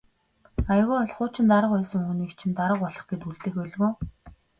Аягүй бол хуучин дарга байсан хүнийг чинь дарга болгох гээд үлдээх байлгүй.